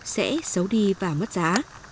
sẽ xấu đi và mất giá